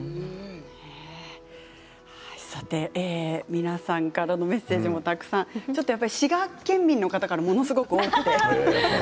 さて皆さんからのメッセージもたくさんやっぱり滋賀県民の方からものすごく多くて。